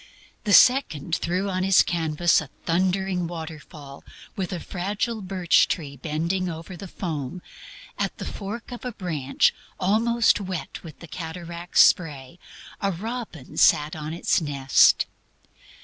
The second threw on his canvas a thundering waterfall, with a fragile birch tree bending over the foam; at the fork of a branch, almost wet with the cataract's spray, a robin sat on its nest.